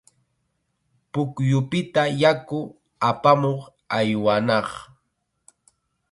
Pukyupita yaku apamuq aywanaq.